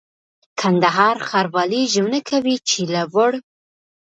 کندهار ښاروالي ژمنه کوي چي له وړ